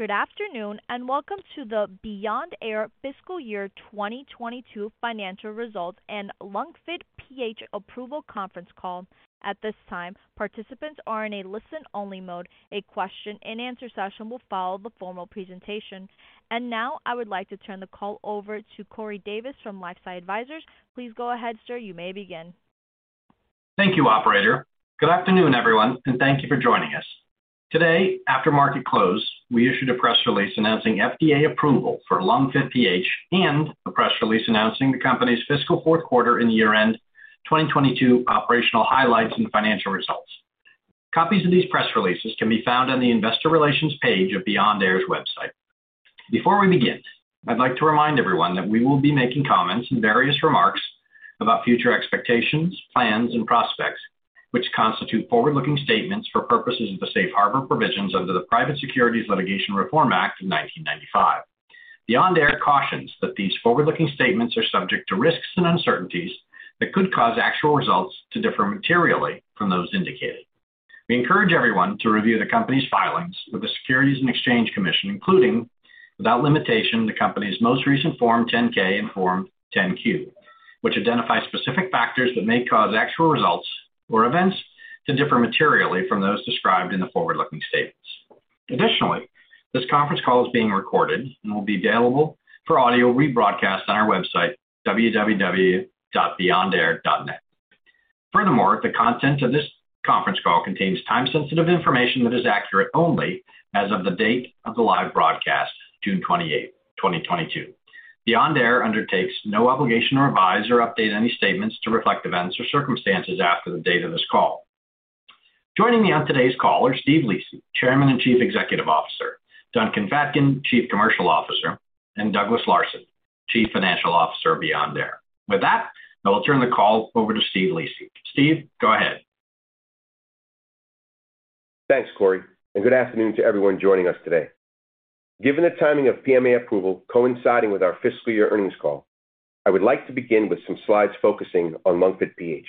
Good afternoon, and welcome to the Beyond Air Fiscal Year 2022 Financial Results and LungFit PH approval conference call. At this time, participants are in a listen-only mode. A question and answer session will follow the formal presentation. Now I would like to turn the call over to Corey Davis from LifeSci Advisors. Please go ahead, sir. You may begin. Thank you, operator. Good afternoon, everyone, and thank you for joining us. Today, after market close, we issued a press release announcing FDA approval for LungFit PH and a press release announcing the company's fiscal fourth quarter and year-end 2022 operational highlights and financial results. Copies of these press releases can be found on the Investor Relations page of Beyond Air's website. Before we begin, I'd like to remind everyone that we will be making comments and various remarks about future expectations, plans and prospects, which constitute forward-looking statements for purposes of the safe harbor provisions under the Private Securities Litigation Reform Act of 1995. Beyond Air cautions that these forward-looking statements are subject to risks and uncertainties that could cause actual results to differ materially from those indicated. We encourage everyone to review the Company's filings with the Securities and Exchange Commission, including, without limitation, the Company's most recent Form 10-K and Form 10-Q, which identify specific factors that may cause actual results or events to differ materially from those described in the forward-looking statements. Additionally, this conference call is being recorded and will be available for audio rebroadcast on our website, www.beyondair.net. Furthermore, the content of this conference call contains time-sensitive information that is accurate only as of the date of the live broadcast, June 28th, 2022. Beyond Air undertakes no obligation to revise or update any statements to reflect events or circumstances after the date of this call. Joining me on today's call are Steve Lisi, Chairman and Chief Executive Officer, Duncan Fatkin, Chief Commercial Officer, and Douglas Larson, Chief Financial Officer of Beyond Air. With that, I will turn the call over to Steve Lisi. Steve, go ahead. Thanks, Corey, and good afternoon to everyone joining us today. Given the timing of PMA approval coinciding with our fiscal year earnings call, I would like to begin with some slides focusing on LungFit PH.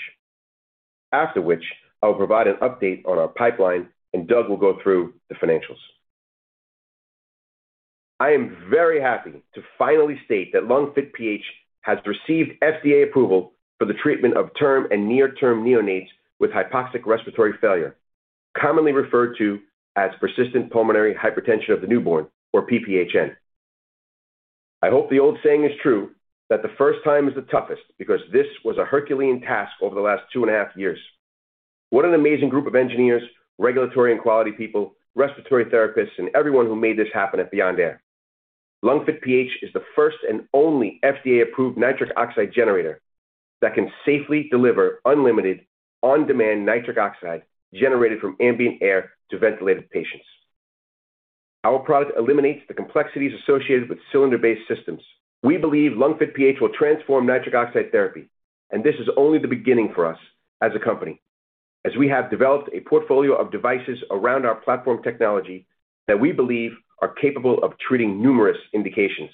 After which I will provide an update on our pipeline and Doug will go through the financials. I am very happy to finally state that LungFit PH has received FDA approval for the treatment of term and near-term neonates with hypoxic respiratory failure, commonly referred to as persistent pulmonary hypertension of the newborn, or PPHN. I hope the old saying is true that the first time is the toughest, because this was a herculean task over the last two and a half years. What an amazing group of engineers, regulatory and quality people, respiratory therapists, and everyone who made this happen at Beyond Air. LungFit PH is the first and only FDA-approved nitric oxide generator that can safely deliver unlimited on-demand nitric oxide generated from ambient air to ventilated patients. Our product eliminates the complexities associated with cylinder-based systems. We believe LungFit PH will transform nitric oxide therapy, and this is only the beginning for us as a company, as we have developed a portfolio of devices around our platform technology that we believe are capable of treating numerous indications.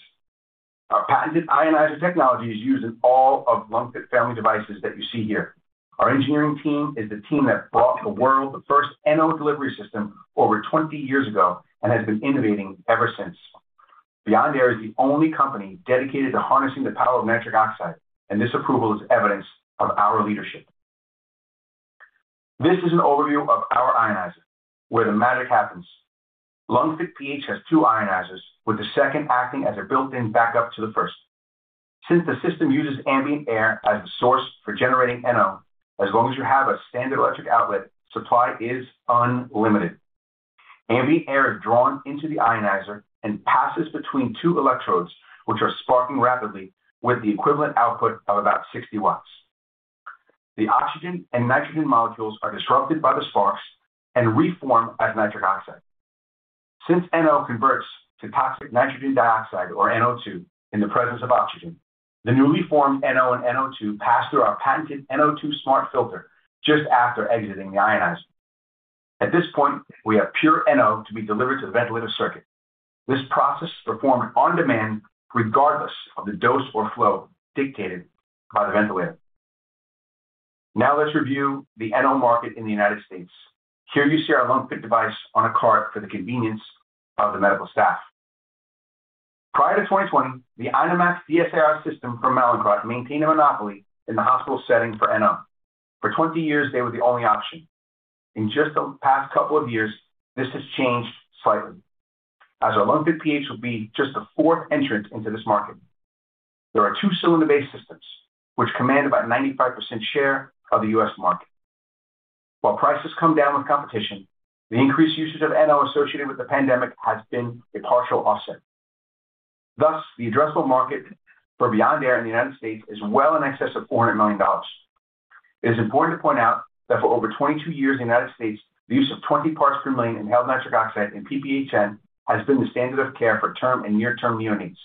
Our patented ionizer technology is used in all of LungFit family devices that you see here. Our engineering team is the team that brought the world the first NO delivery system over 20 years ago and has been innovating ever since. Beyond Air is the only company dedicated to harnessing the power of nitric oxide, and this approval is evidence of our leadership. This is an overview of our ionizer, where the magic happens. LungFit PH has two ionizers, with the second acting as a built-in backup to the first. Since the system uses ambient air as the source for generating NO, as long as you have a standard electric outlet, supply is unlimited. Ambient air is drawn into the ionizer and passes between two electrodes, which are sparking rapidly with the equivalent output of about 60 watts. The oxygen and nitrogen molecules are disrupted by the sparks and reform as nitric oxide. Since NO converts to toxic nitrogen dioxide, or NO₂ in the presence of oxygen, the newly formed NO and NO₂ pass through our patented NO₂ Smart Filter just after exiting the ionizer. At this point, we have pure NO to be delivered to the ventilator circuit. This process is performed on demand regardless of the dose or flow dictated by the ventilator. Now let's review the NO market in the United States. Here you see our LungFit device on a cart for the convenience of the medical staff. Prior to 2020, the INOmax DSIR system from Mallinckrodt maintained a monopoly in the hospital setting for NO. For 20 years, they were the only option. In just the past couple of years, this has changed slightly, as our LungFit PH will be just the fourth entrant into this market. There are two cylinder-based systems which command about 95% share of the US market. While price has come down with competition, the increased usage of NO associated with the pandemic has been a partial offset. Thus, the addressable market for Beyond Air in the United States is well in excess of $400 million. It is important to point out that for over 22 years in the United States, the use of 20 parts per million inhaled nitric oxide in PPHN has been the standard of care for term and near-term neonates,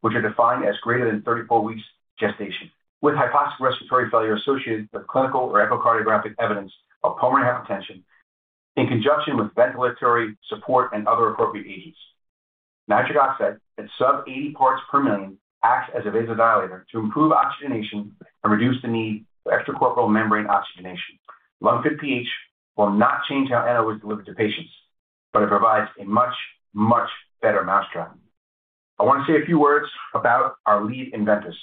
which are defined as greater than 34 weeks gestation. With hypoxic respiratory failure associated with clinical or echocardiographic evidence of pulmonary hypertension in conjunction with ventilatory support and other appropriate agents. Nitric oxide at sub 80 parts per million acts as a vasodilator to improve oxygenation and reduce the need for extracorporeal membrane oxygenation. LungFit PH will not change how NO is delivered to patients, but it provides a much, much better mousetrap. I want to say a few words about our lead investors.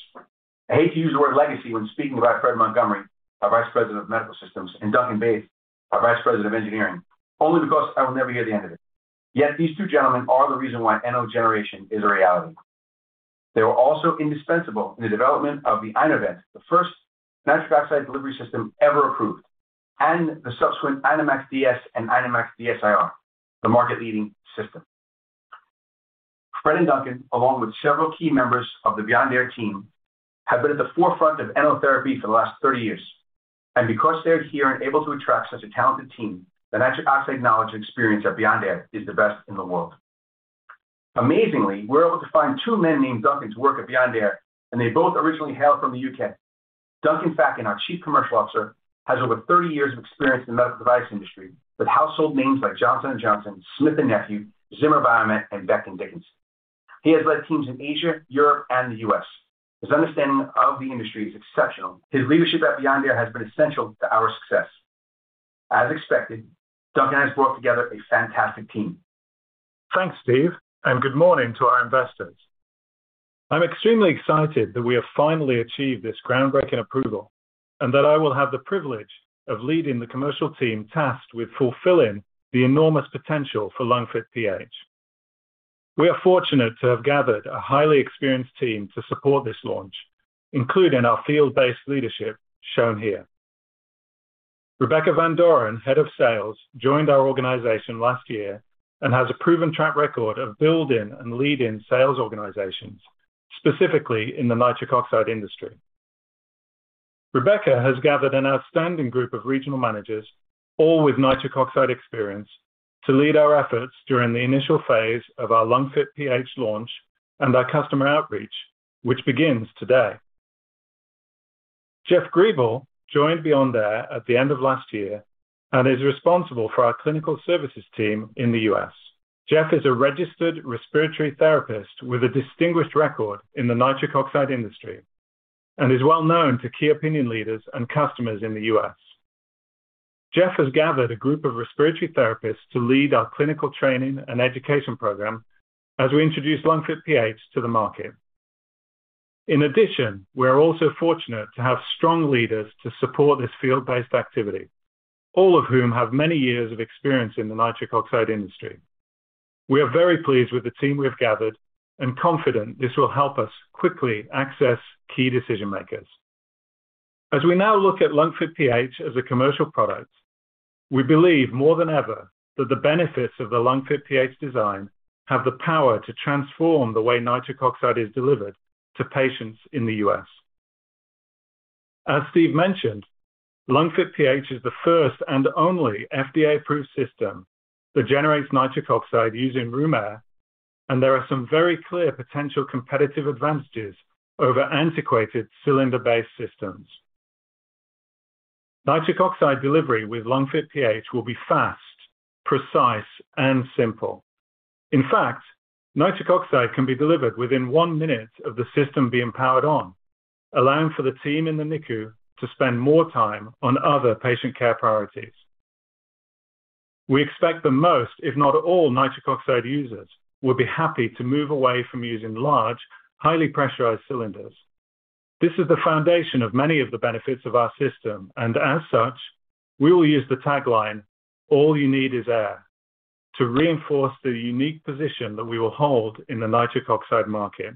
I hate to use the word legacy when speaking about Perry Montgomery, our Vice President of Medical Systems, and Duncan Bain, our Vice President of Engineering, only because I will never hear the end of it. Yet these two gentlemen are the reason why NO generation is a reality. They were also indispensable in the development of the Inovent, the first nitric oxide delivery system ever approved, and the subsequent INOmax DS and INOmax DSIR, the market-leading system. Fred and Duncan, along with several key members of the Beyond Air team, have been at the forefront of NO therapy for the last 30 years. Because they're here and able to attract such a talented team, the nitric oxide knowledge and experience at Beyond Air is the best in the world. Amazingly, we're able to find two men named Duncan to work at Beyond Air, and they both originally hail from the UK. Duncan Fatkin, our Chief Commercial Officer, has over 30 years of experience in the medical device industry with household names like Johnson & Johnson, Smith & Nephew, Zimmer Biomet, and Becton Dickinson. He has led teams in Asia, Europe, and the US. His understanding of the industry is exceptional. His leadership at Beyond Air has been essential to our success. As expected, Duncan has brought together a fantastic team. Thanks, Steve, and good morning to our investors. I'm extremely excited that we have finally achieved this groundbreaking approval and that I will have the privilege of leading the commercial team tasked with fulfilling the enormous potential for LungFit PH. We are fortunate to have gathered a highly experienced team to support this launch, including our field-based leadership shown here. Rebecca Van Doren, Head of Sales, joined our organization last year and has a proven track record of building and leading sales organizations, specifically in the nitric oxide industry. Rebecca has gathered an outstanding group of regional managers, all with nitric oxide experience, to lead our efforts during the initial phase of our LungFit PH launch and our customer outreach, which begins today. Jeff Griebel joined Beyond Air at the end of last year and is responsible for our clinical services team in the US. Jeff is a registered respiratory therapist with a distinguished record in the nitric oxide industry and is well known to key opinion leaders and customers in the U.S. Jeff has gathered a group of respiratory therapists to lead our clinical training and education program as we introduce LungFit PH to the market. In addition, we are also fortunate to have strong leaders to support this field-based activity, all of whom have many years of experience in the nitric oxide industry. We are very pleased with the team we have gathered and confident this will help us quickly access key decision-makers. As we now look at LungFit PH as a commercial product, we believe more than ever that the benefits of the LungFit PH design have the power to transform the way nitric oxide is delivered to patients in the U.S. As Steve mentioned, LungFit PH is the first and only FDA-approved system that generates nitric oxide using room air, and there are some very clear potential competitive advantages over antiquated cylinder-based systems. Nitric oxide delivery with LungFit PH will be fast, precise, and simple. In fact, nitric oxide can be delivered within one minute of the system being powered on, allowing for the team in the NICU to spend more time on other patient care priorities. We expect that most, if not all, nitric oxide users will be happy to move away from using large, highly pressurized cylinders. This is the foundation of many of the benefits of our system, and as such, we will use the tagline, All you need is air, to reinforce the unique position that we will hold in the nitric oxide market.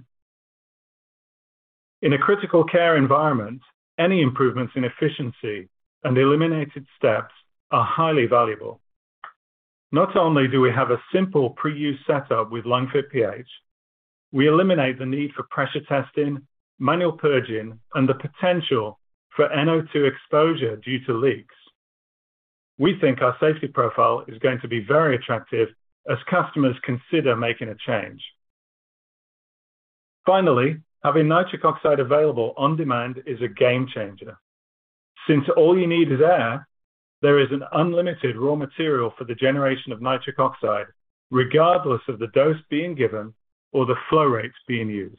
In a critical care environment, any improvements in efficiency and eliminated steps are highly valuable. Not only do we have a simple pre-use setup with LungFit PH, we eliminate the need for pressure testing, manual purging, and the potential for NO2 exposure due to leaks. We think our safety profile is going to be very attractive as customers consider making a change. Finally, having nitric oxide available on demand is a game changer. Since all you need is air, there is an unlimited raw material for the generation of nitric oxide, regardless of the dose being given or the flow rates being used.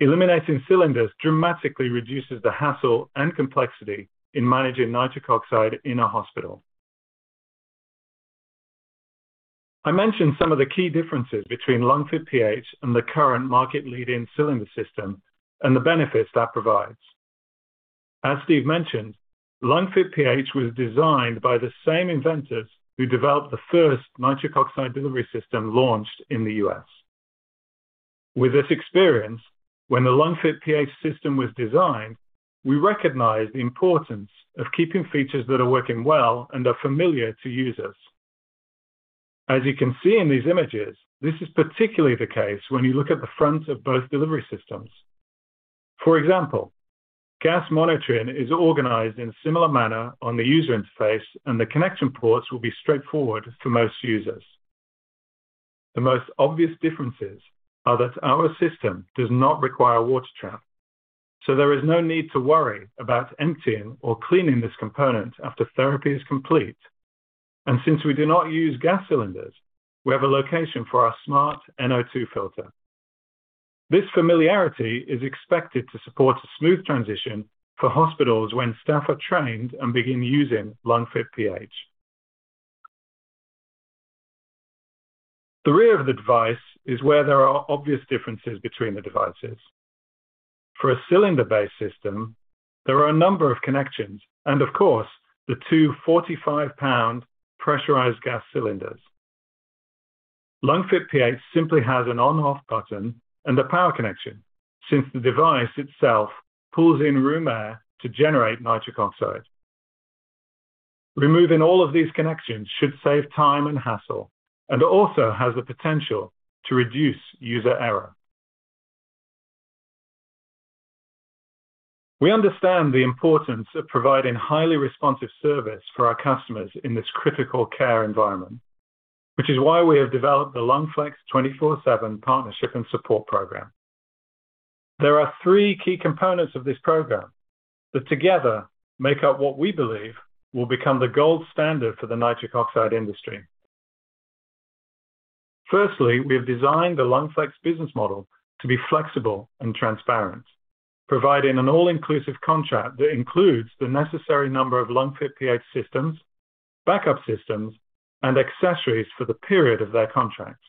Eliminating cylinders dramatically reduces the hassle and complexity in managing nitric oxide in a hospital. I mentioned some of the key differences between LungFit PH and the current market-leading cylinder system and the benefits that provides. As Steve mentioned, LungFit PH was designed by the same inventors who developed the first nitric oxide delivery system launched in the U.S. With this experience, when the LungFit PH system was designed, we recognized the importance of keeping features that are working well and are familiar to users. As you can see in these images, this is particularly the case when you look at the front of both delivery systems. For example, gas monitoring is organized in a similar manner on the user interface, and the connection ports will be straightforward for most users. The most obvious differences are that our system does not require a water trap, so there is no need to worry about emptying or cleaning this component after therapy is complete. Since we do not use gas cylinders, we have a location for our Smart NO₂ Filter. This familiarity is expected to support a smooth transition for hospitals when staff are trained and begin using LungFit PH. The rear of the device is where there are obvious differences between the devices. For a cylinder-based system, there are a number of connections and, of course, the two 45-pound pressurized gas cylinders. LungFit PH simply has an on/off button and a power connection since the device itself pulls in room air to generate nitric oxide. Removing all of these connections should save time and hassle, and also has the potential to reduce user error. We understand the importance of providing highly responsive service for our customers in this critical care environment, which is why we have developed the LungFlex 24/7 partnership and support program. There are three key components of this program that together make up what we believe will become the gold standard for the nitric oxide industry. Firstly, we have designed the LungFlex business model to be flexible and transparent, providing an all-inclusive contract that includes the necessary number of LungFit PH systems, backup systems, and accessories for the period of their contracts.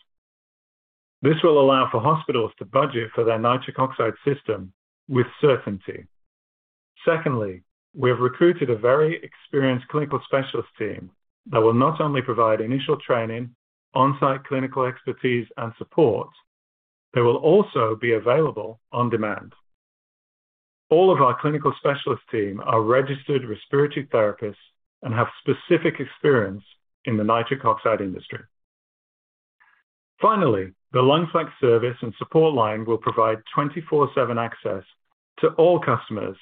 This will allow for hospitals to budget for their nitric oxide system with certainty. Secondly, we have recruited a very experienced clinical specialist team that will not only provide initial training, on-site clinical expertise and support. They will also be available on demand. All of our clinical specialist team are registered respiratory therapists and have specific experience in the nitric oxide industry. Finally, the LungFlex service and support line will provide twenty-four-seven access to all customers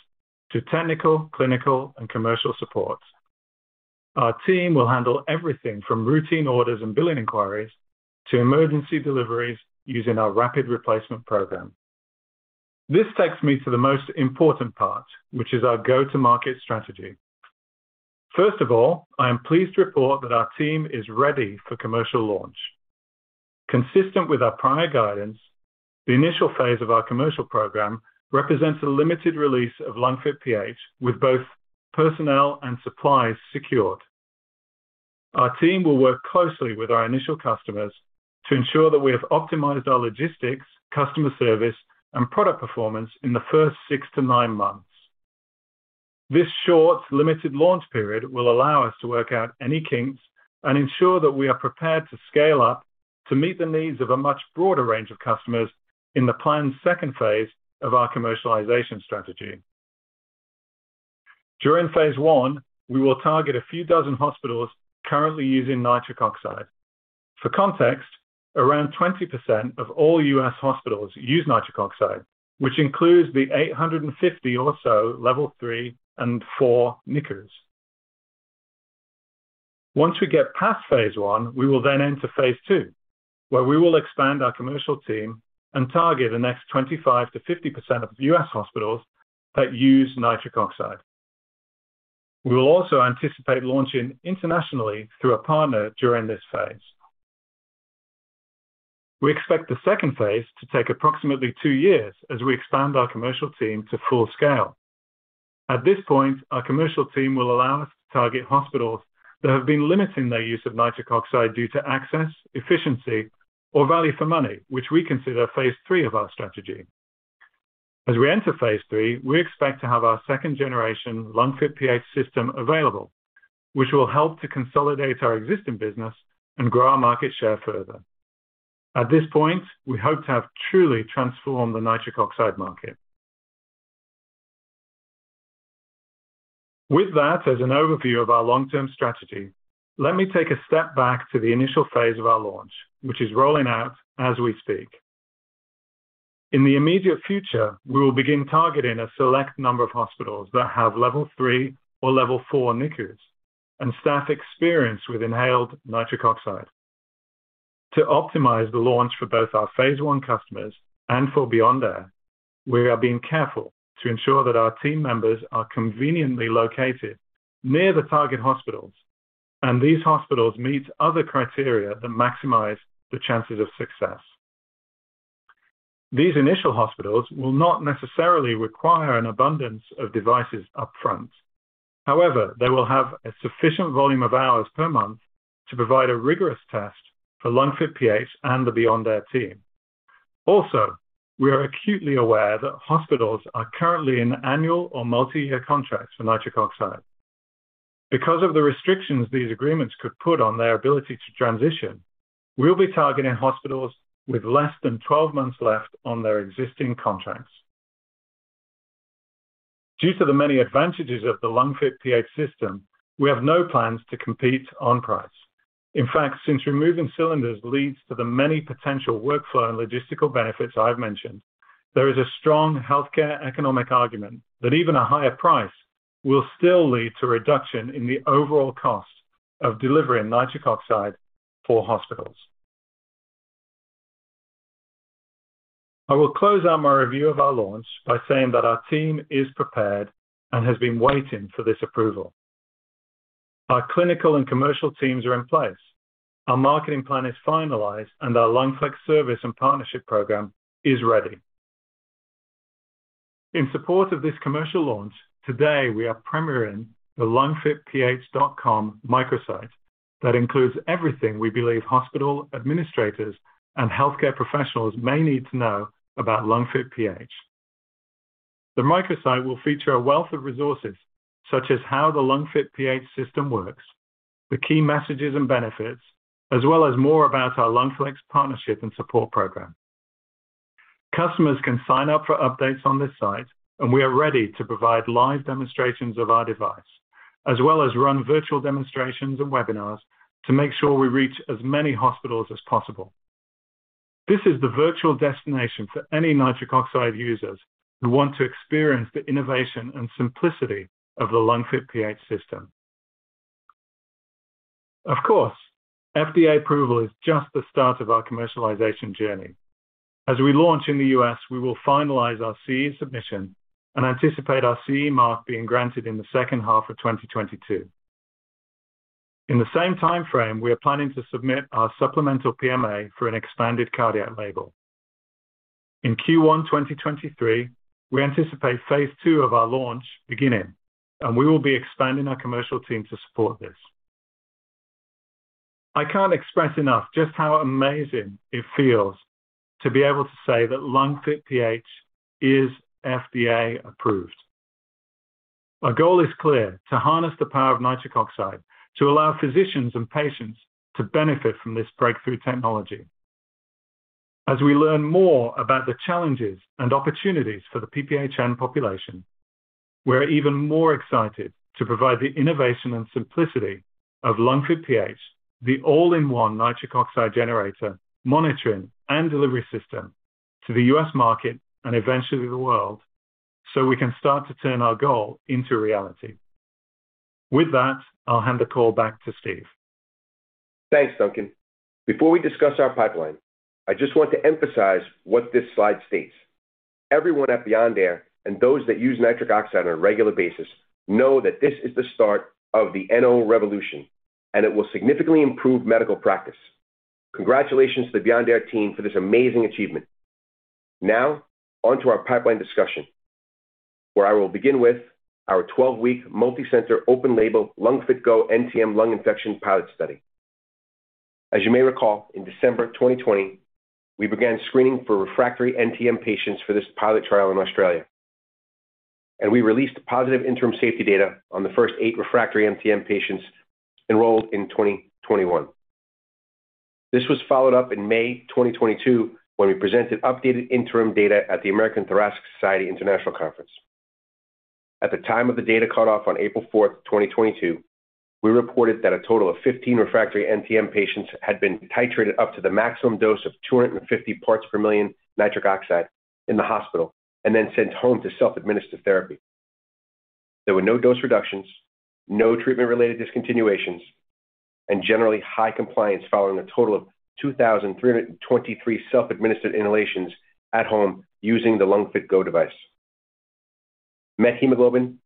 to technical, clinical, and commercial support. Our team will handle everything from routine orders and billing inquiries to emergency deliveries using our rapid replacement program. This takes me to the most important part, which is our go-to-market strategy. First of all, I am pleased to report that our team is ready for commercial launch. Consistent with our prior guidance, the initial phase of our commercial program represents a limited release of LungFit PH with both personnel and supplies secured. Our team will work closely with our initial customers to ensure that we have optimized our logistics, customer service, and product performance in the first six-nine months. This short limited launch period will allow us to work out any kinks and ensure that we are prepared to scale up to meet the needs of a much broader range of customers in the planned second phase of our commercialization strategy. During phase I, we will target a few dozen hospitals currently using nitric oxide. For context, around 20% of all U.S. hospitals use nitric oxide, which includes the 850 or so level three and four NICUs. Once we get past phase I, we will then enter phase II, where we will expand our commercial team and target the next 25%-50% of U.S. hospitals that use nitric oxide. We will also anticipate launching internationally through a partner during this phase. We expect the second phase to take approximately two years as we expand our commercial team to full scale. At this point, our commercial team will allow us to target hospitals that have been limiting their use of nitric oxide due to access, efficiency, or value for money, which we consider phase III of our strategy. As we enter phase III, we expect to have our second generation LungFit PH system available, which will help to consolidate our existing business and grow our market share further. At this point, we hope to have truly transformed the nitric oxide market. With that as an overview of our long-term strategy, let me take a step back to the initial phase of our launch, which is rolling out as we speak. In the immediate future, we will begin targeting a select number of hospitals that have level three or level four NICUs and staff experienced with inhaled nitric oxide. To optimize the launch for both our phase I customers and for Beyond Air, we are being careful to ensure that our team members are conveniently located near the target hospitals and these hospitals meet other criteria that maximize the chances of success. These initial hospitals will not necessarily require an abundance of devices upfront. However, they will have a sufficient volume of hours per month to provide a rigorous test for LungFit PH and the Beyond Air team. Also, we are acutely aware that hospitals are currently in annual or multi-year contracts for nitric oxide. Because of the restrictions these agreements could put on their ability to transition, we'll be targeting hospitals with less than 12 months left on their existing contracts. Due to the many advantages of the LungFit PH system, we have no plans to compete on price. In fact, since removing cylinders leads to the many potential workflow and logistical benefits I've mentioned, there is a strong healthcare economic argument that even a higher price will still lead to a reduction in the overall cost of delivering nitric oxide for hospitals. I will close out my review of our launch by saying that our team is prepared and has been waiting for this approval. Our clinical and commercial teams are in place. Our marketing plan is finalized, and our LungFlex service and partnership program is ready. In support of this commercial launch, today we are premiering the lungfitph.com microsite that includes everything we believe hospital administrators and healthcare professionals may need to know about LungFit PH. The microsite will feature a wealth of resources, such as how the LungFit PH system works, the key messages and benefits, as well as more about our LungFlex partnership and support program. Customers can sign up for updates on this site, and we are ready to provide live demonstrations of our device, as well as run virtual demonstrations and webinars to make sure we reach as many hospitals as possible. This is the virtual destination for any nitric oxide users who want to experience the innovation and simplicity of the LungFit PH system. Of course, FDA approval is just the start of our commercialization journey. As we launch in the US, we will finalize our CE submission and anticipate our CE mark being granted in the second half of 2022. In the same time frame, we are planning to submit our supplemental PMA for an expanded cardiac label. In Q1 2023, we anticipate phase II of our launch beginning, and we will be expanding our commercial team to support this. I can't express enough just how amazing it feels to be able to say that LungFit PH is FDA-approved. Our goal is clear, to harness the power of nitric oxide to allow physicians and patients to benefit from this breakthrough technology. As we learn more about the challenges and opportunities for the PPHN population, we're even more excited to provide the innovation and simplicity of LungFit PH, the all-in-one nitric oxide generator, monitoring, and delivery system to the US market and eventually the world, so we can start to turn our goal into reality. With that, I'll hand the call back to Steve. Thanks, Duncan. Before we discuss our pipeline, I just want to emphasize what this slide states. Everyone at Beyond Air and those that use nitric oxide on a regular basis know that this is the start of the NO revolution, and it will significantly improve medical practice. Congratulations to the Beyond Air team for this amazing achievement. Now, on to our pipeline discussion, where I will begin with our 12-week multi-center open-label LungFit GO NTM lung infection pilot study. As you may recall, in December 2020, we began screening for refractory NTM patients for this pilot trial in Australia. We released positive interim safety data on the first eight refractory NTM patients enrolled in 2021. This was followed up in May 2022 when we presented updated interim data at the American Thoracic Society International Conference. At the time of the data cutoff on April 4th, 2022, we reported that a total of 15 refractory NTM patients had been titrated up to the maximum dose of 250 parts per million nitric oxide in the hospital and then sent home to self-administer therapy. There were no dose reductions, no treatment-related discontinuations, and generally high compliance following a total of 2,323 self-administered inhalations at home using the LungFit GO device. Methemoglobin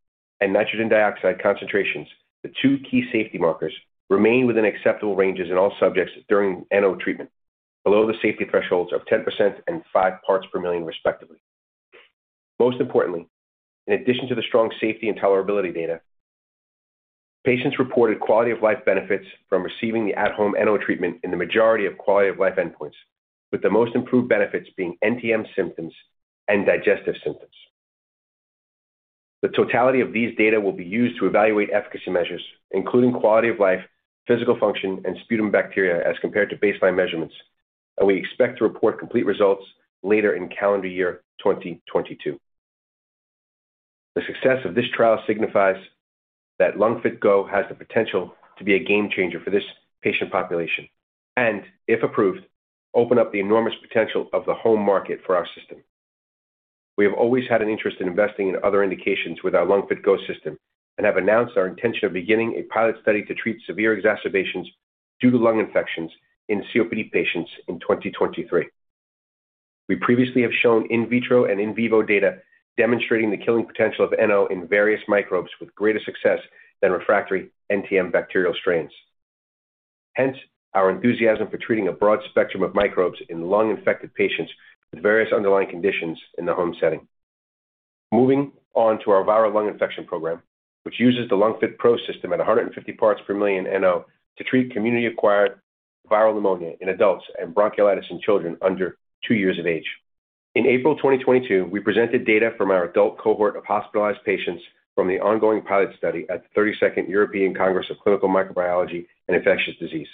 and nitrogen dioxide concentrations, the two key safety markers, remained within acceptable ranges in all subjects during NO treatment, below the safety thresholds of 10% and 5% per million respectively. Most importantly, in addition to the strong safety and tolerability data, patients reported quality of life benefits from receiving the at-home NO treatment in the majority of quality of life endpoints, with the most improved benefits being NTM symptoms and digestive symptoms. The totality of these data will be used to evaluate efficacy measures, including quality of life, physical function, and sputum bacteria as compared to baseline measurements, and we expect to report complete results later in calendar year 2022. The success of this trial signifies that LungFit GO has the potential to be a game changer for this patient population and, if approved, open up the enormous potential of the home market for our system. We have always had an interest in investing in other indications with our LungFit GO system and have announced our intention of beginning a pilot study to treat severe exacerbations due to lung infections in COPD patients in 2023. We previously have shown in vitro and in vivo data demonstrating the killing potential of NO in various microbes with greater success than refractory NTM bacterial strains. Hence, our enthusiasm for treating a broad spectrum of microbes in lung-infected patients with various underlying conditions in the home setting. Moving on to our viral lung infection program, which uses the LungFit PRO system at 150 parts per million NO to treat community-acquired viral pneumonia in adults and bronchiolitis in children under two years of age. In April 2022, we presented data from our adult cohort of hospitalized patients from the ongoing pilot study at the 32nd European Congress of Clinical Microbiology and Infectious Diseases.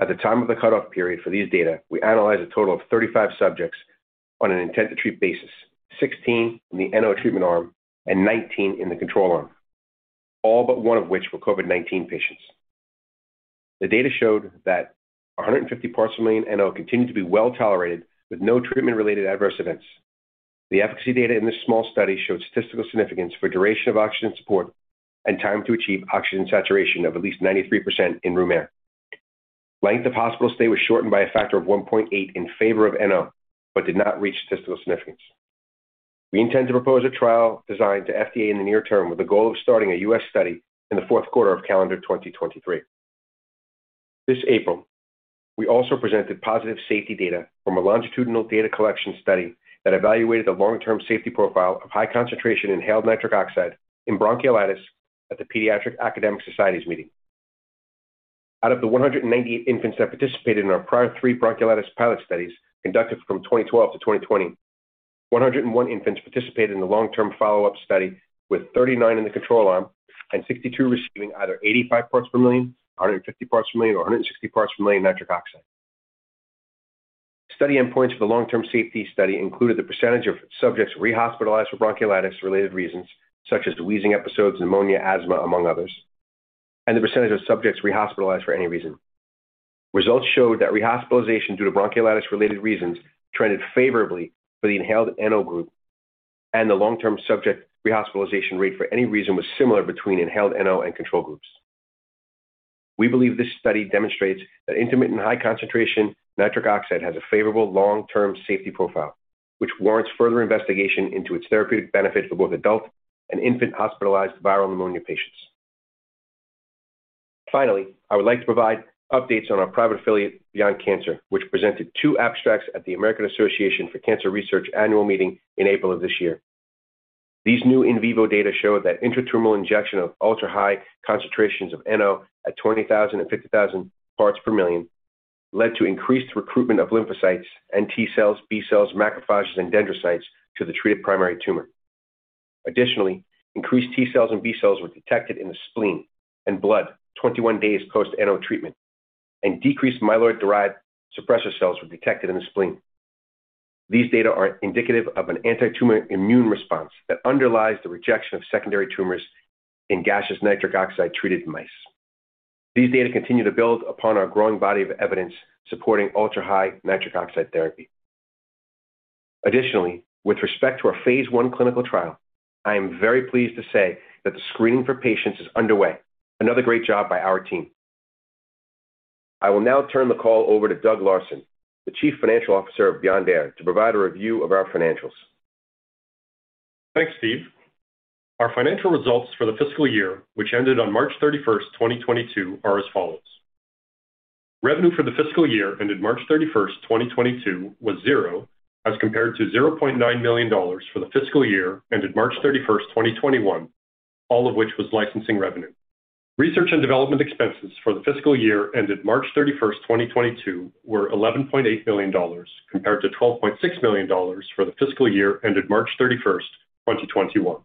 At the time of the cutoff period for these data, we analyzed a total of 35 subjects on an intent-to-treat basis, 16 in the NO treatment arm and 19 in the control arm, all but one of which were COVID-19 patients. The data showed that 150 parts per million NO continued to be well-tolerated with no treatment-related adverse events. The efficacy data in this small study showed statistical significance for duration of oxygen support and time to achieve oxygen saturation of at least 93% in room air. Length of hospital stay was shortened by a factor of 1.8 in favor of NO, but did not reach statistical significance. We intend to propose a trial designed to FDA in the near term with the goal of starting a U.S. study in the fourth quarter of calendar 2023. This April, we also presented positive safety data from a longitudinal data collection study that evaluated the long-term safety profile of high concentration inhaled nitric oxide in bronchiolitis at the Pediatric Academic Societies Meeting. Out of the 198 infants that participated in our prior three bronchiolitis pilot studies conducted from 2012 to 2020, 101 infants participated in the long-term follow-up study, with 39 in the control arm and 62 receiving either 85 parts per million, 150 parts per million, or 160 parts per million nitric oxide. Study endpoints for the long-term safety study included the percentage of subjects rehospitalized for bronchiolitis-related reasons such as wheezing episodes, pneumonia, asthma, among others, and the percentage of subjects rehospitalized for any reason. Results showed that rehospitalization due to bronchiolitis-related reasons trended favorably for the inhaled NO group, and the long-term subject rehospitalization rate for any reason was similar between inhaled NO and control groups. We believe this study demonstrates that intermittent high concentration nitric oxide has a favorable long-term safety profile, which warrants further investigation into its therapeutic benefit for both adult and infant hospitalized viral pneumonia patients. Finally, I would like to provide updates on our private affiliate, Beyond Cancer, which presented two abstracts at the American Association for Cancer Research annual meeting in April of this year. These new in vivo data show that intratumoral injection of ultra-high concentrations of NO at 20,000 and 50,000 parts per million led to increased recruitment of lymphocytes and T cells, B cells, macrophages, and dendrocytes to the treated primary tumor. Additionally, increased T cells and B cells were detected in the spleen and blood 21 days post-NO treatment, and decreased myeloid-derived suppressor cells were detected in the spleen. These data are indicative of an antitumor immune response that underlies the rejection of secondary tumors in gaseous nitric oxide-treated mice. These data continue to build upon our growing body of evidence supporting ultra-high nitric oxide therapy. Additionally, with respect to our phase I clinical trial, I am very pleased to say that the screening for patients is underway. Another great job by our team. I will now turn the call over to Doug Larson, the Chief Financial Officer of Beyond Air, to provide a review of our financials. Thanks, Steve. Our financial results for the fiscal year, which ended on March 31st, 2022, are as follows. Revenue for the fiscal year ended March 31st, 2022, was $0, as compared to $0.9 million for the fiscal year ended March 31st, 2021, all of which was licensing revenue. Research and development expenses for the fiscal year ended March 31st, 2022, were $11.8 million, compared to $12.6 million for the fiscal year ended March 31st, 2021.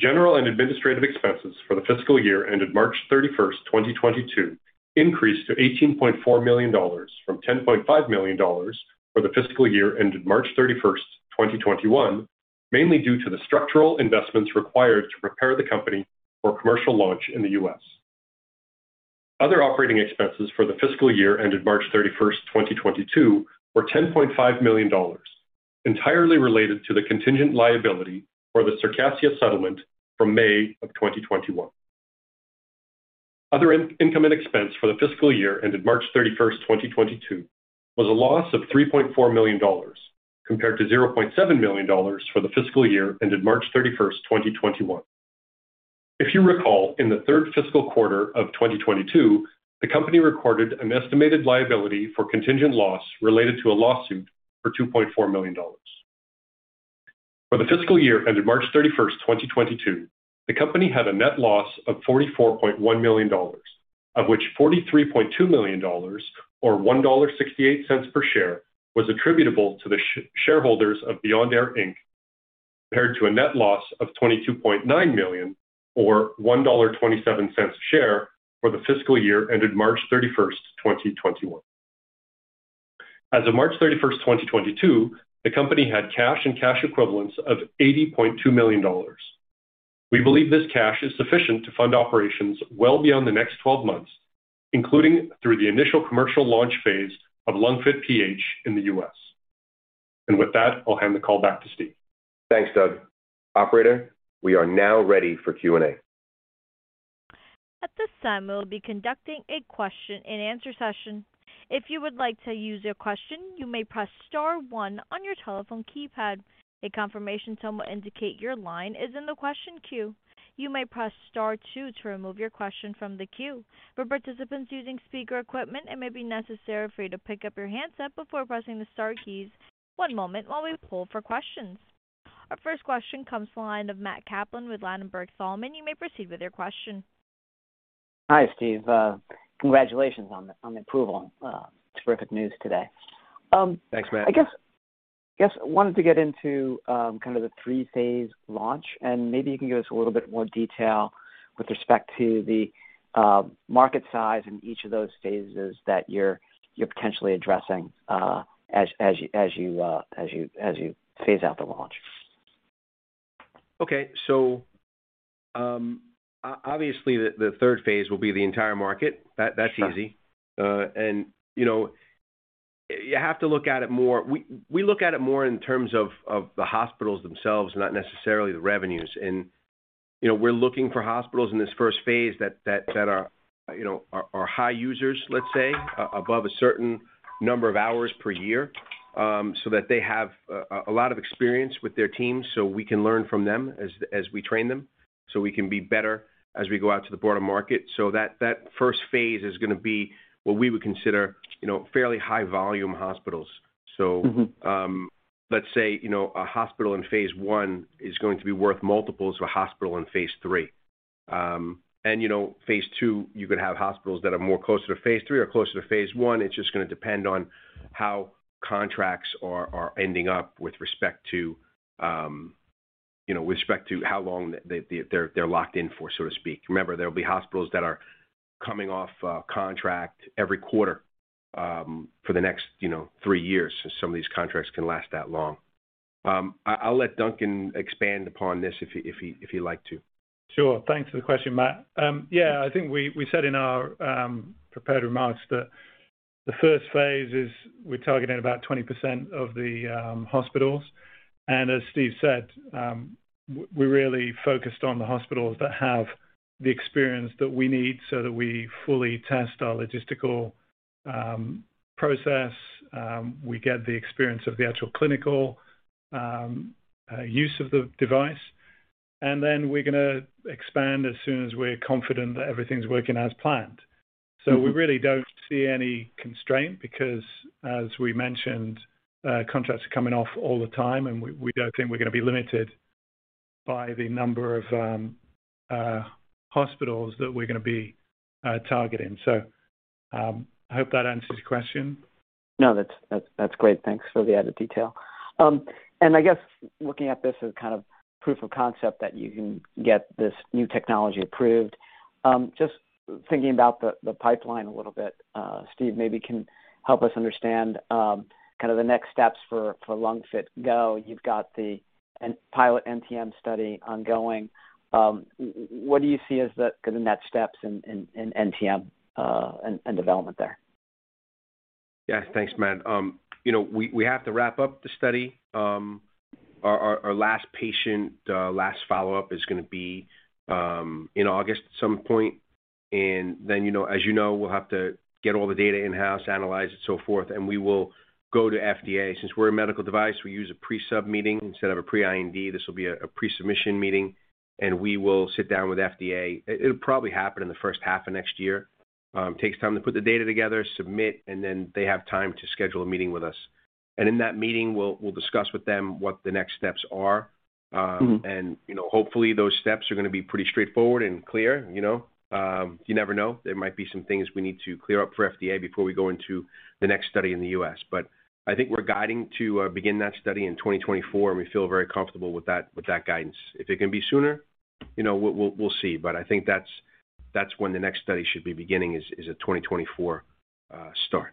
General and administrative expenses for the fiscal year ended March 31st, 2022, increased to $18.4 million from $10.5 million for the fiscal year ended March 31st, 2021, mainly due to the structural investments required to prepare the company for commercial launch in the U.S. Other operating expenses for the fiscal year ended March 31st, 2022, were $10.5 million, entirely related to the contingent liability for the Circassia settlement from May of 2021. Other income and expense for the fiscal year ended March 31st, 2022, was a loss of $3.4 million, compared to $0.7 million for the fiscal year ended March 31st, 2021. If you recall, in the third fiscal quarter of 2022, the company recorded an estimated liability for contingent loss related to a lawsuit for $2.4 million. For the fiscal year ended March 31st, 2022, the company had a net loss of $44.1 million, of which $43.2 million or $1.68 per share was attributable to the shareholders of Beyond Air, Inc., compared to a net loss of $22.9 million or $1.27 a share for the fiscal year ended March 31st, 2021. As of March 31st, 2022, the company had cash and cash equivalents of $80.2 million. We believe this cash is sufficient to fund operations well beyond the next 12 months, including through the initial commercial launch phase of LungFit PH in the U.S. With that, I'll hand the call back to Steve. Thanks, Doug. Operator, we are now ready for Q&A. At this time, we will be conducting a question and answer session. If you would like to use your question, you may press star one on your telephone keypad. A confirmation tone will indicate your line is in the question queue. You may press star two to remove your question from the queue. For participants using speaker equipment, it may be necessary for you to pick up your handset before pressing the star keys. One moment while we poll for questions. Our first question comes to the line of Matt Kaplan with Ladenburg Thalmann. You may proceed with your question. Hi, Steve. Congratulations on the approval. Terrific news today. Thanks, Matt. I guess I wanted to get into kind of the three-phase launch, and maybe you can give us a little bit more detail with respect to the market size in each of those phases that you're potentially addressing as you phase out the launch. Obviously, the third phase will be the entire market. That, that's easy. Sure. you know. You have to look at it more. We look at it more in terms of the hospitals themselves, not necessarily the revenues. You know, we're looking for hospitals in this first phase that are high users, let's say, above a certain number of hours per year, so that they have a lot of experience with their teams, so we can learn from them as we train them, so we can be better as we go out to the broader market. That first phase is gonna be what we would consider, you know, fairly high volume hospitals. Mm-hmm. Let's say, you know, a hospital in phase I is going to be worth multiples to a hospital in phase III. You know, phase II, you could have hospitals that are more closer to phase III or closer to phase I. It's just gonna depend on how contracts are ending up with respect to, you know, with respect to how long they're locked in for, so to speak. Remember, there will be hospitals that are coming off contract every quarter for the next, you know, three years, so some of these contracts can last that long. I'll let Duncan expand upon this if he'd like to. Sure. Thanks for the question, Matt. Yeah, I think we said in our prepared remarks that the first phase is we're targeting about 20% of the hospitals. As Steve said, we're really focused on the hospitals that have the experience that we need so that we fully test our logistical process, we get the experience of the actual clinical use of the device, and then we're gonna expand as soon as we're confident that everything's working as planned. Mm-hmm. We really don't see any constraint because as we mentioned, contracts are coming off all the time, and we don't think we're gonna be limited by the number of hospitals that we're gonna be targeting. I hope that answers your question. No, that's great. Thanks for the added detail. I guess looking at this as kind of proof of concept that you can get this new technology approved, just thinking about the pipeline a little bit. Steve maybe can help us understand kind of the next steps for LungFit GO. You've got the pilot NTM study ongoing. What do you see as the kinda next steps in NTM and development there? Yeah. Thanks, Matt. You know, we have to wrap up the study. Our last patient last follow-up is gonna be in August at some point. You know, as you know, we'll have to get all the data in-house, analyze it, so forth, and we will go to FDA. Since we're a medical device, we use a pre-submission meeting instead of a pre-IND. This will be a pre-submission meeting, and we will sit down with FDA. It'll probably happen in the first half of next year. Takes time to put the data together, submit, and then they have time to schedule a meeting with us. In that meeting, we'll discuss with them what the next steps are. Mm-hmm. Hopefully those steps are gonna be pretty straightforward and clear, you know. You never know. There might be some things we need to clear up for FDA before we go into the next study in the U.S. I think we're guiding to begin that study in 2024, and we feel very comfortable with that, with that guidance. If it can be sooner, you know, we'll see. I think that's when the next study should be beginning is a 2024 start.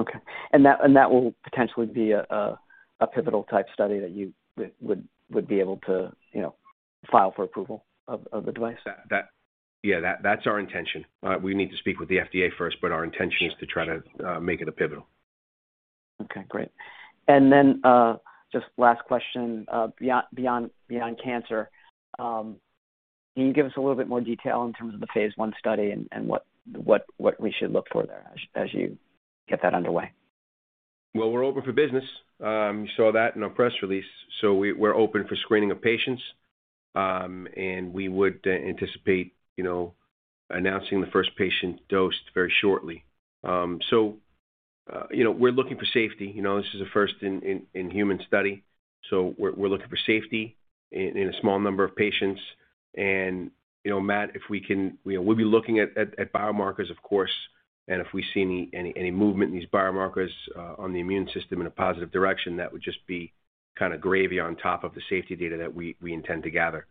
Okay. That will potentially be a pivotal type study that you would be able to, you know, file for approval of the device? Yeah, that's our intention. We need to speak with the FDA first, but our intention- Sure. Sure... is to try to make it a pivotal. Okay, great. Just last question, Beyond Cancer, can you give us a little bit more detail in terms of the phase I study and what we should look for there as you get that underway? Well, we're open for business. You saw that in our press release. We're open for screening of patients, and we would anticipate, you know, announcing the first patient dosed very shortly. You know, we're looking for safety. You know, this is a first in human study, so we're looking for safety in a small number of patients. You know, Matt, if we can. You know, we'll be looking at biomarkers of course, and if we see any movement in these biomarkers on the immune system in a positive direction, that would just be kinda gravy on top of the safety data that we intend to gather.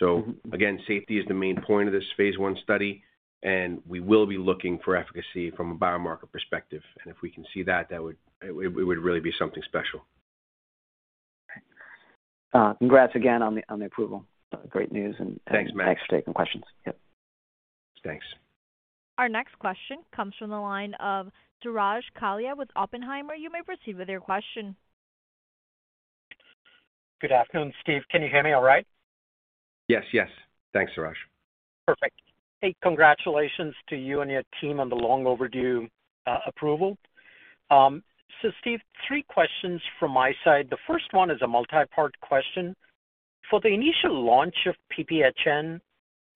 Mm-hmm. Again, safety is the main point of this phase I study, and we will be looking for efficacy from a biomarker perspective. If we can see that would really be something special. Okay. Congrats again on the approval. Great news and- Thanks, Matt. Thanks for taking the questions. Yep. Thanks. Our next question comes from the line of Suraj Kalia with Oppenheimer. You may proceed with your question. Good afternoon, Steve. Can you hear me all right? Yes. Yes. Thanks, Suraj. Perfect. Hey, congratulations to you and your team on the long overdue approval. Steve, three questions from my side. The first one is a multi-part question. For the initial launch of PPHN,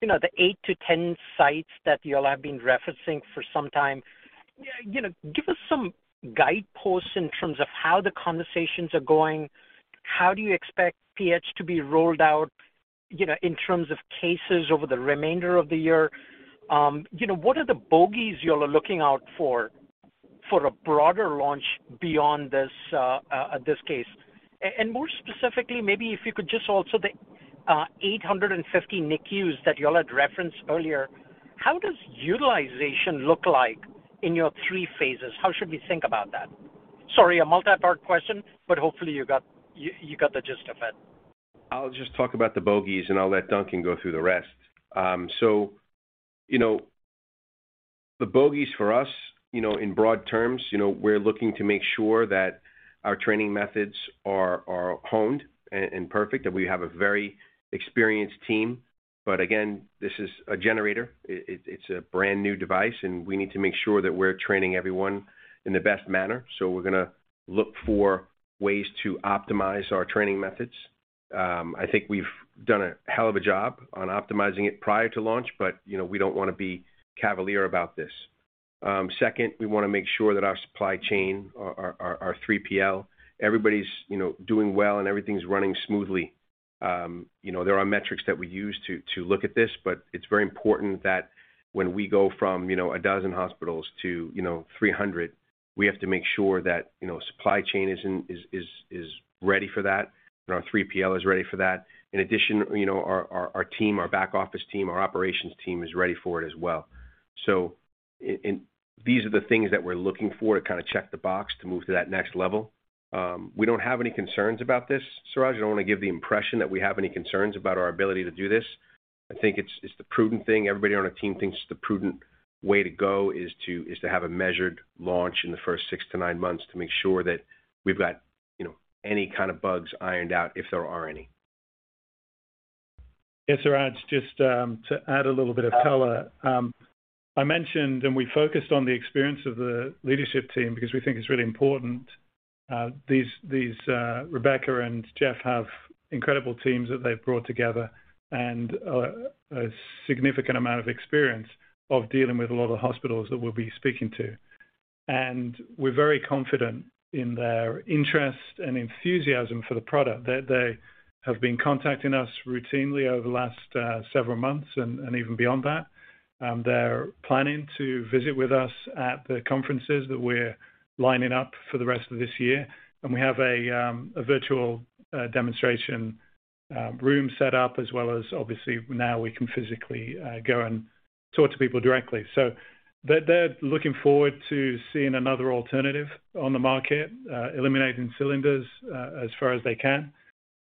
you know, the 8-10 sites that y'all have been referencing for some time, you know, give us some guideposts in terms of how the conversations are going. How do you expect PH to be rolled out, you know, in terms of cases over the remainder of the year? You know, what are the bogeys y'all are looking out for for a broader launch beyond this case? And more specifically, maybe if you could just also the 850 NICUs that y'all had referenced earlier, how does utilization look like in your three phases? How should we think about that? Sorry, a multi-part question, but hopefully you got the gist of it. I'll just talk about the bogeys and I'll let Duncan go through the rest. You know, the bogeys for us, you know, in broad terms, you know, we're looking to make sure that our training methods are honed and perfect, that we have a very experienced team. Again, this is a generator. It's a brand-new device, and we need to make sure that we're training everyone in the best manner. We're gonna look for ways to optimize our training methods. I think we've done a hell of a job on optimizing it prior to launch, but, you know, we don't wanna be cavalier about this. Second, we wanna make sure that our supply chain, our 3PL, everybody's, you know, doing well and everything's running smoothly. You know, there are metrics that we use to look at this, but it's very important that when we go from 12 hospitals to 300, we have to make sure that you know, supply chain is ready for that, and our 3PL is ready for that. In addition, you know, our team, our back office team, our operations team is ready for it as well. These are the things that we're looking for to kinda check the box to move to that next level. We don't have any concerns about this, Suraj. I don't wanna give the impression that we have any concerns about our ability to do this. I think it's the prudent thing. Everybody on our team thinks the prudent way to go is to have a measured launch in the first 6-9 months to make sure that we've got, you know, any kind of bugs ironed out if there are any. Yeah, Suraj, just to add a little bit of color. I mentioned and we focused on the experience of the leadership team because we think it's really important. These Rebecca and Jeff have incredible teams that they've brought together and a significant amount of experience of dealing with a lot of the hospitals that we'll be speaking to. We're very confident in their interest and enthusiasm for the product. They have been contacting us routinely over the last several months and even beyond that. They're planning to visit with us at the conferences that we're lining up for the rest of this year, and we have a virtual demonstration room set up, as well as obviously now we can physically go and talk to people directly. They're looking forward to seeing another alternative on the market, eliminating cylinders, as far as they can.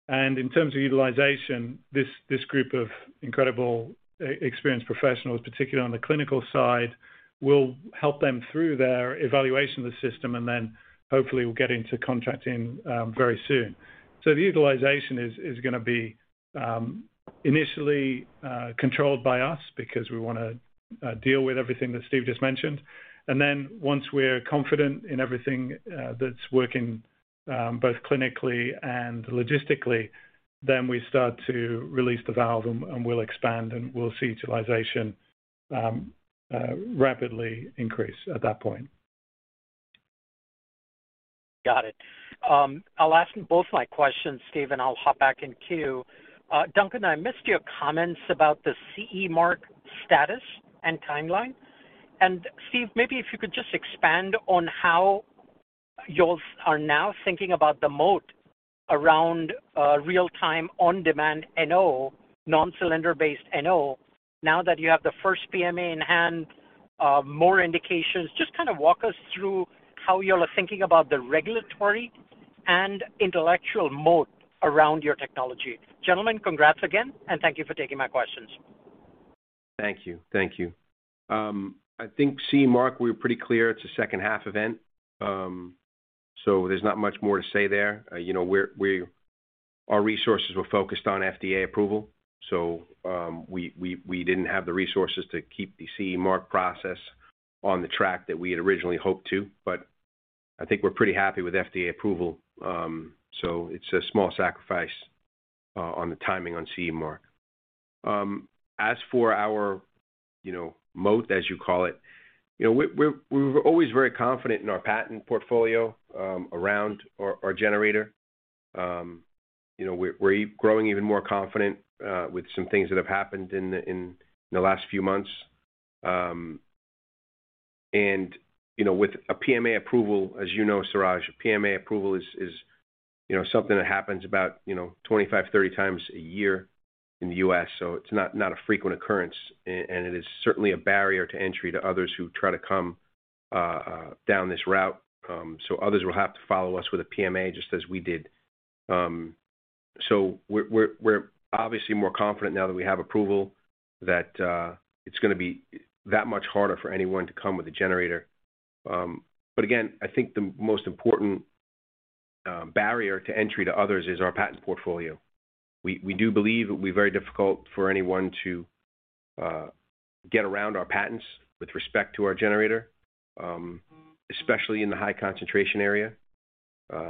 In terms of utilization, this group of incredible experienced professionals, particularly on the clinical side, will help them through their evaluation of the system, and then hopefully we'll get into contracting, very soon. The utilization is gonna be, initially, controlled by us because we wanna deal with everything that Steve just mentioned. Then once we're confident in everything, that's working, both clinically and logistically, then we start to release the valve and we'll expand and we'll see utilization rapidly increase at that point. Got it. I'll ask both my questions, Steve, and I'll hop back in queue. Duncan, I missed your comments about the CE mark status and timeline. Steve, maybe if you could just expand on how y'all are now thinking about the moat around a real-time, on-demand NO, non-cylinder based NO, now that you have the first PMA in hand, more indications. Just kind of walk us through how y'all are thinking about the regulatory and intellectual moat around your technology. Gentlemen, congrats again, and thank you for taking my questions. Thank you. Thank you. I think CE mark, we're pretty clear it's a second half event. So there's not much more to say there. You know, our resources were focused on FDA approval, so we didn't have the resources to keep the CE mark process on the track that we had originally hoped to. I think we're pretty happy with FDA approval, so it's a small sacrifice on the timing on CE mark. As for our, you know, moat, as you call it, you know, we're always very confident in our patent portfolio around our generator. You know, we're growing even more confident with some things that have happened in the last few months. You know, with a PMA approval, as you know, Suraj, a PMA approval is you know, something that happens about 25, 30 times a year in the U.S., so it's not a frequent occurrence. It is certainly a barrier to entry to others who try to come down this route. Others will have to follow us with a PMA just as we did. We're obviously more confident now that we have approval that it's gonna be that much harder for anyone to come with a generator. Again, I think the most important barrier to entry to others is our patent portfolio. We do believe it will be very difficult for anyone to get around our patents with respect to our generator, especially in the high concentration area. I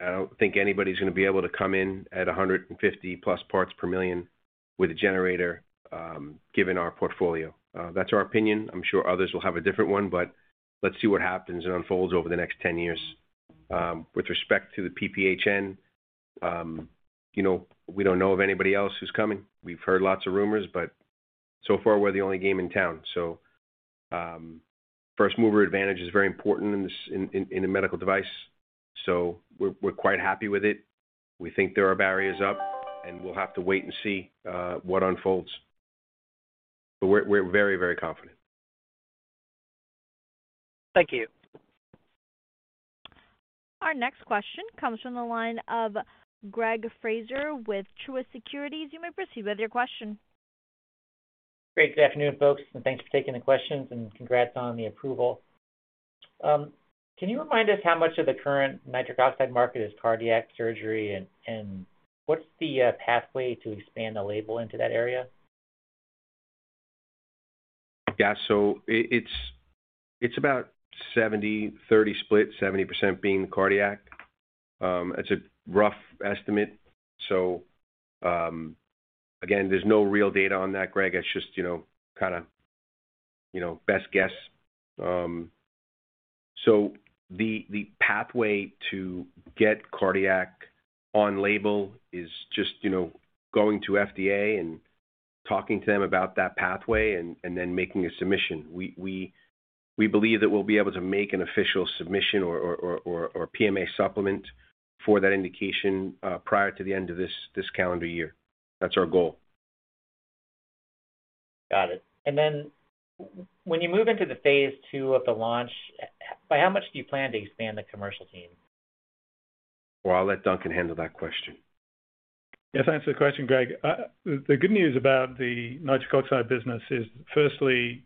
don't think anybody's gonna be able to come in at 150+ parts per million with a generator, given our portfolio. That's our opinion. I'm sure others will have a different one, but let's see what happens and unfolds over the next 10 years. With respect to the PPHN, you know, we don't know of anybody else who's coming. We've heard lots of rumors, but so far, we're the only game in town. First mover advantage is very important in this, in a medical device. We're quite happy with it. We think there are barriers up, and we'll have to wait and see what unfolds. We're very confident. Thank you. Our next question comes from the line of Gregory Fraser with Truist Securities. You may proceed with your question. Great. Good afternoon, folks, and thanks for taking the questions and congrats on the approval. Can you remind us how much of the current nitric oxide market is cardiac surgery and what's the pathway to expand the label into that area? Yeah. It's about 70/30 split, 70% being cardiac. It's a rough estimate. Again, there's no real data on that, Greg. It's just, you know, kinda, you know, best guess. The pathway to get cardiac on label is just, you know, going to FDA and talking to them about that pathway and then making a submission. We believe that we'll be able to make an official submission or PMA supplement for that indication prior to the end of this calendar year. That's our goal. Got it. When you move into the phase II of the launch, how much do you plan to expand the commercial team? Well, I'll let Duncan handle that question. Yes, thanks for the question, Greg. The good news about the nitric oxide business is, firstly,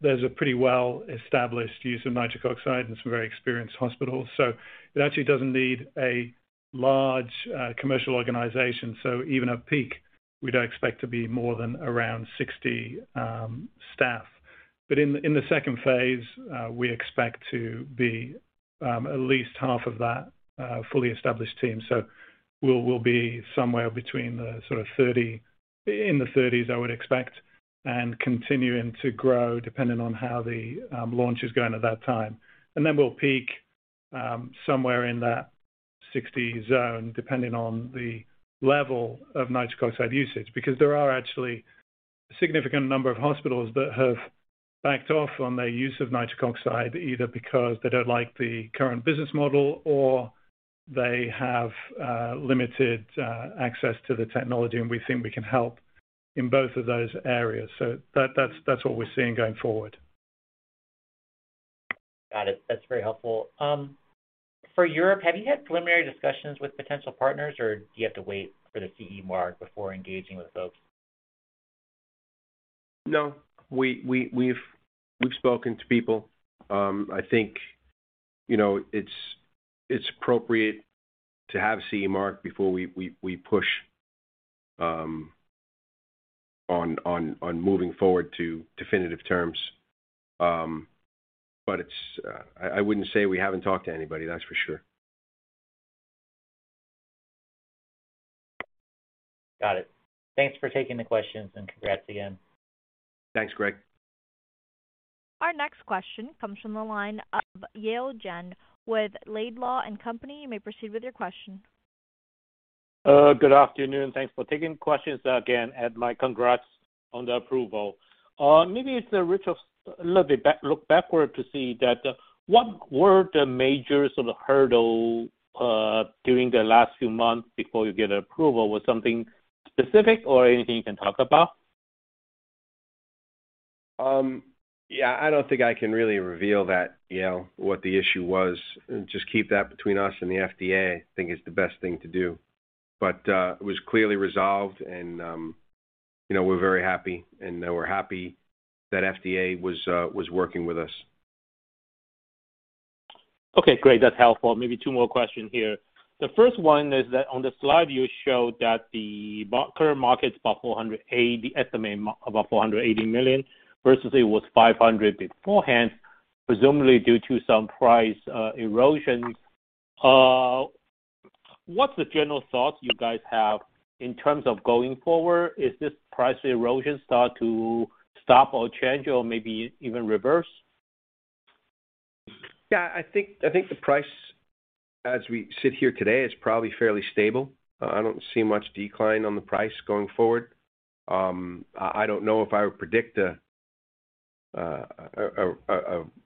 there's a pretty well-established use of nitric oxide in some very experienced hospitals. It actually doesn't need a large commercial organization. Even at peak, we don't expect to be more than around 60 staff. In the second phase, we expect to be at least half of that fully established team. We'll be somewhere in the thirties, I would expect, and continuing to grow depending on how the launch is going at that time. We'll peak somewhere in that 60 zone, depending on the level of nitric oxide usage, because there are actually a significant number of hospitals that have backed off on their use of nitric oxide, either because they don't like the current business model or they have limited access to the technology, and we think we can help in both of those areas. That's what we're seeing going forward. Got it. That's very helpful. For Europe, have you had preliminary discussions with potential partners, or do you have to wait for the CE mark before engaging with folks? No, we've spoken to people. I think, you know, it's appropriate to have CE mark before we push on moving forward to definitive terms. But I wouldn't say we haven't talked to anybody, that's for sure. Got it. Thanks for taking the questions, and congrats again. Thanks, Greg. Our next question comes from the line of Yale Jen with Laidlaw & Company. You may proceed with your question. Good afternoon. Thanks for taking questions again, and my congrats on the approval. Maybe there is a little bit back, look backward to see that, what were the major sort of hurdle during the last few months before you get approval? Was something specific or anything you can talk about? Yeah, I don't think I can really reveal that, Yale, what the issue was. Just keep that between us and the FDA, I think is the best thing to do. It was clearly resolved and, you know, we're very happy and, we're happy that FDA was working with us. Okay, great. That's helpful. Maybe two more questions here. The first one is that on the slide you showed that the current market is about $480 million versus it was $500 beforehand, presumably due to some price erosion. What's the general thought you guys have in terms of going forward? Is this price erosion start to stop or change or maybe even reverse? Yeah, I think the price as we sit here today is probably fairly stable. I don't see much decline on the price going forward. I don't know if I would predict a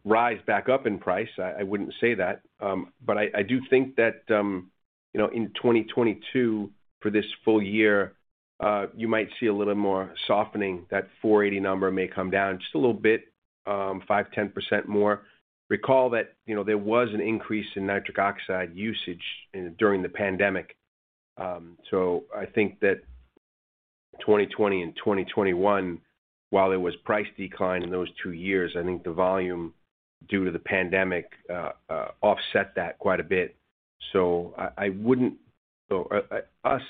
rise back up in price. I wouldn't say that. I do think that, you know, in 2022, for this full year, you might see a little more softening. That $480 number may come down just a little bit, 5%-10% more. Recall that, you know, there was an increase in nitric oxide usage during the pandemic. I think that 2020 and 2021, while there was price decline in those two years, I think the volume due to the pandemic offset that quite a bit. I wouldn't... As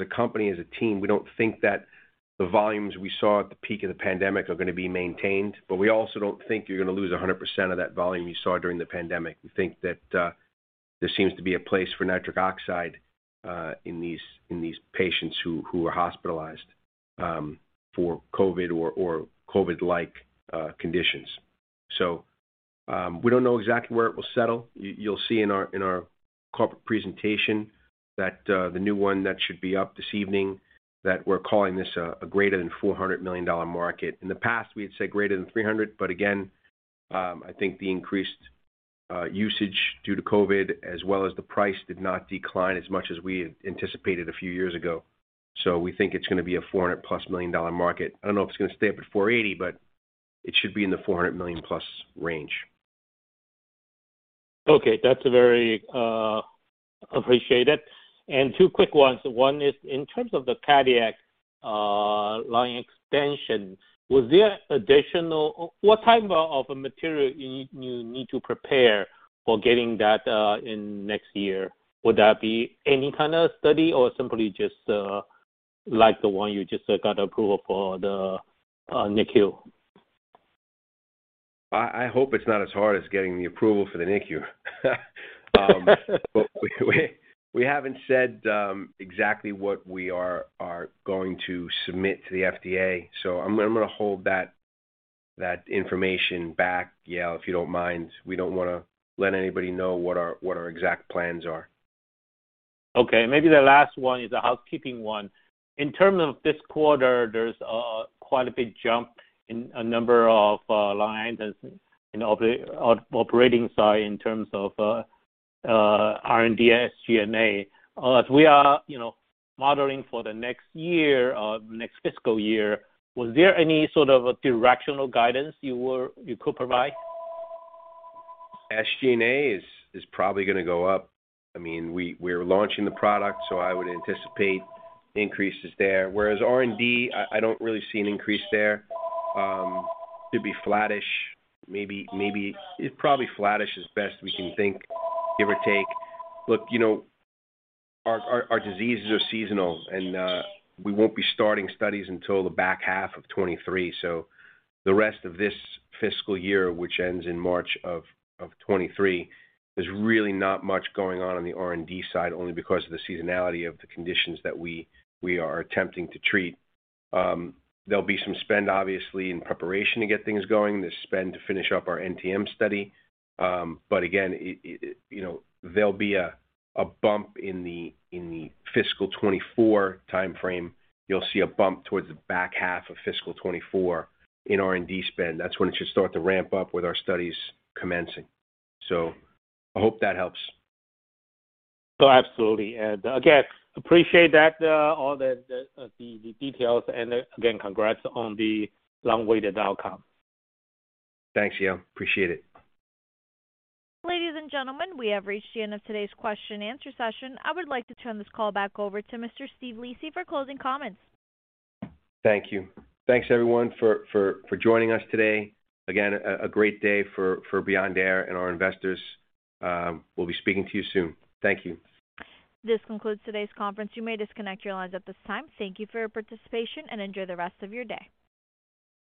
a company, as a team, we don't think that the volumes we saw at the peak of the pandemic are gonna be maintained, but we also don't think you're gonna lose 100% of that volume you saw during the pandemic. We think that there seems to be a place for nitric oxide in these patients who are hospitalized for COVID or COVID-like conditions. We don't know exactly where it will settle. You'll see in our corporate presentation, the new one that should be up this evening, that we're calling this a greater than $400 million market. In the past, we had said greater than $300, but again, I think the increased usage due to COVID, as well as the price did not decline as much as we had anticipated a few years ago. We think it's gonna be a $400+ million market. I don't know if it's gonna stay up at $480, but it should be in the $400 million+ range. Okay, that's very appreciated. Two quick ones. One is, in terms of the cardiac line extension, what type of a material you need to prepare for getting that in next year? Would that be any kind of study or simply just like the one you just got approval for the NICU? I hope it's not as hard as getting the approval for the NICU. We haven't said exactly what we are going to submit to the FDA, so I'm gonna hold that information back, Yale, if you don't mind. We don't wanna let anybody know what our exact plans are. Okay, maybe the last one is a housekeeping one. In terms of this quarter, there's quite a big jump in a number of lines as in operating side in terms of R&D, SG&A. As we are, you know, modeling for the next year, next fiscal year, was there any sort of a directional guidance you could provide? SG&A is probably gonna go up. I mean, we're launching the product, so I would anticipate increases there. Whereas R&D, I don't really see an increase there. It'd be flattish, it's probably flattish is best we can think, give or take. Look, you know, our diseases are seasonal, we won't be starting studies until the back half of 2023. So the rest of this fiscal year, which ends in March of 2023, there's really not much going on on the R&D side only because of the seasonality of the conditions that we are attempting to treat. There'll be some spend obviously in preparation to get things going, there's spend to finish up our NTM study. But again, it, you know, there'll be a bump in the fiscal 2024 timeframe. You'll see a bump towards the back half of fiscal 2024 in R&D spend. That's when it should start to ramp up with our studies commencing. I hope that helps. Oh, absolutely. Again, appreciate that, all the details. Again, congrats on the long-awaited outcome. Thanks, Yale. Appreciate it. Ladies and gentlemen, we have reached the end of today's question and answer session. I would like to turn this call back over to Mr. Steve Lisi for closing comments. Thank you. Thanks, everyone, for joining us today. Again, a great day for Beyond Air and our investors. We'll be speaking to you soon. Thank you. This concludes today's conference. You may disconnect your lines at this time. Thank you for your participation, and enjoy the rest of your day.